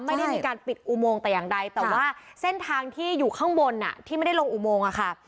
ไม่ได้มีการปิดอุโมงแต่อย่างใดแต่ว่าเส้นทางที่อยู่ข้างบนที่ไม่ได้ลงอุโมงค่ะ